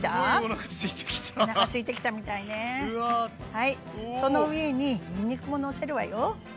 はいその上ににんにくものせるわよ。